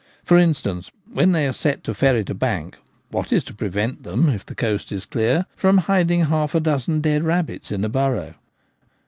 For instance, when they are set to ferret a bank, what is to prevent them, if the coast is clear, from hiding half a dozen dead rabbits in a burrow